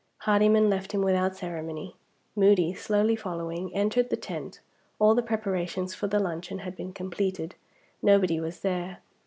Hardyman left him without ceremony. Moody, slowly following, entered the tent. All the preparations for the luncheon had been completed; nobody was there.